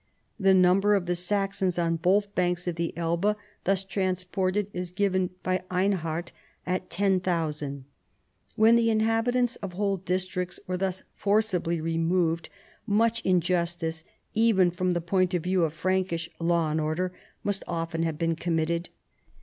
The number of the Saxons on both banks of the Elbe thus transported is given by Einhard at 10,000. When the inhabitants of whole districts were thus forcibly removed, much in justice, even from the point of view of Frankish " law and order," must often have been committed.